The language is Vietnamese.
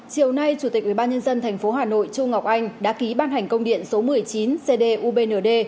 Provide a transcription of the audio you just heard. chiều nay chủ tịch ubnd tp hà nội châu ngọc anh đã ký ban hành công điện số một mươi chín cd ubnd